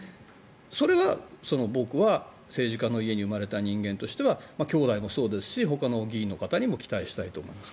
それは僕は政治家の家に生まれた人間としては兄弟もそうですしほかの議員の方にも期待したいと思います。